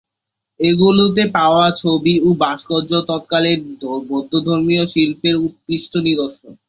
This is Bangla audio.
এগুলোতে পাওয়া ছবি ও ভাস্কর্য, তৎকালীন বৌদ্ধধর্মীয় শিল্পের উৎকৃষ্ট নিদর্শন।